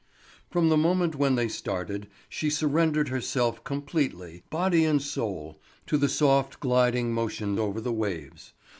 From the moment when they started she surrendered herself completely, body and soul, to the soft, gliding motion over the waves.